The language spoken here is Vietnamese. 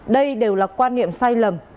đây đều là quan niệm sai lầm